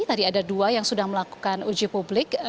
tadi ada dua yang sudah melakukan uji publik